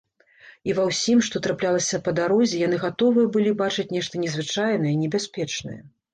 І ўва ўсім, што траплялася па дарозе, яны гатовы былі бачыць нешта незвычайнае, небяспечнае.